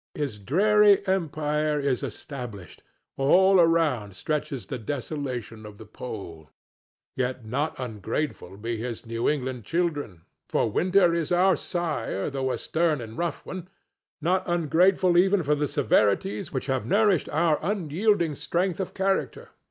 His dreary empire is established; all around stretches the desolation of the pole. Yet not ungrateful be his New England children (for Winter is our sire, though a stern and rough one)—not ungrateful even for the severities which have nourished our unyielding strength of character.